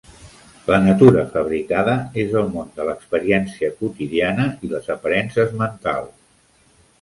La natura fabricada és el món de l'experiència quotidiana i les aparences mentals.